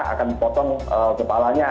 akan dipotong kepalanya